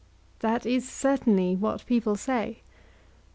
That is certainly what people say.